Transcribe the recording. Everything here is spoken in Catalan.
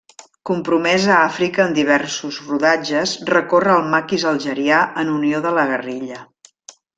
Compromès a Àfrica en diversos rodatges, recorre el maquis algerià en unió de la guerrilla.